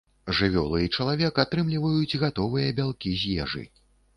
Жывёлы і чалавек атрымліваюць гатовыя бялкі з ежы.